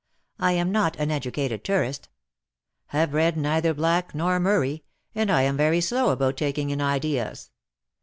I am not an educated tourist — have read neither Black nor Murray, and I am very slow about taking in ideas.